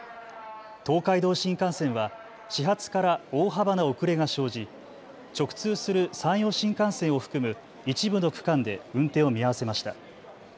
東海道新幹線は始発から大幅な遅れが生じ直通する山陽新幹線を含む一部の区間で運転を見合わせました。